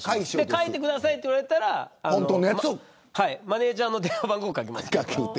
書いてくださいと言われたらマネジャーの電話番号を書きます。